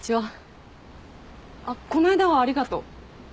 あっこないだはありがとう。